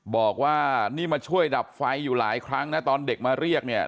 บอกว่านี่มาช่วยดับไฟอยู่หลายครั้งนะตอนเด็กมาเรียกเนี่ย